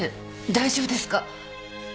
大丈夫ですか？